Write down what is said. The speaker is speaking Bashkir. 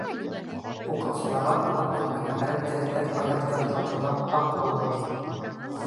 Уҡыусыларға аңлап етмәгән ғәрәп телендә аят ятлатыуҙан һаҡ булығыҙ.